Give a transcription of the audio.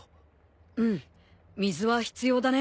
うん水は必要だね。